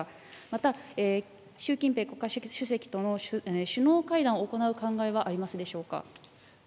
また習近平国家主席との首脳会談を行う考えはありますでしょうか。